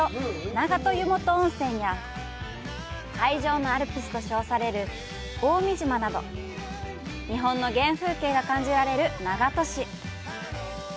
「長門湯本温泉」や「海上のアルプス」と称される「青海島」など日本の原風景が感じられる長門市。